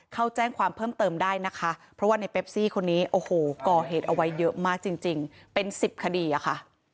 เข้าแจ้งความเพิ่มเติมได้นะคะเพราะว่าในเปปซี่คนนี้โอ้โหก่อเหตุเอาไว้เยอะมากจริงเป็น๑๐คดีอะค่ะ